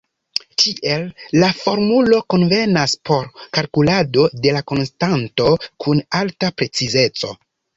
Tiel la formulo konvenas por kalkulado de la konstanto kun alta precizeco.